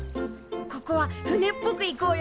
ここは船っぽくいこうよ。